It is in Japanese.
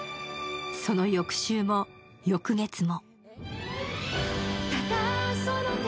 その翌週も、翌月も。